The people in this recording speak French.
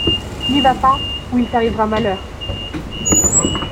N’y va pas... ou il t’arrivera malheur!